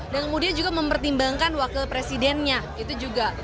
dan kemudian juga mempertimbangkan wakil presidennya itu juga